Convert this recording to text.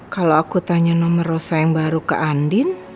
kalau aku tanya nomor rosa yang baru ke andin